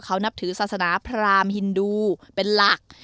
เขานับถือศาสนาพรามฮินดูเป็นหลัก